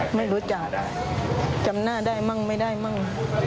ไม่รู้จักจำหน้าได้มั่งไม่ได้มั่ง